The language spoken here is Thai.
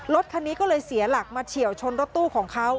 รถคันนี้ก็เลยเสียหลักมาเฉียวชนรถตู้ของเขา